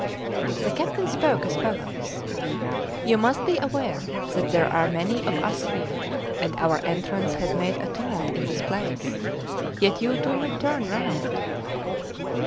The captain spoke as follows: "You must be aware that there are many of us here, and our entrance has made a tumult in this place, yet you do not turn round."